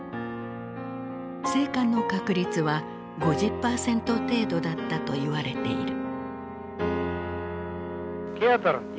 生還の確率は５０％程度だったと言われている。